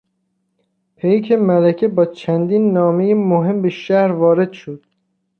پیک ملکه با چندین نامهی مهم به شهر وارد شد.